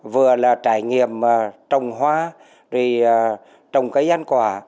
vừa là trải nghiệm trồng hoa trồng cái gian quả